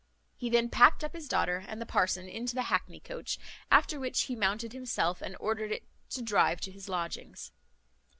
He then packed up his daughter and the parson into the hackney coach, after which he mounted himself, and ordered it to drive to his lodgings.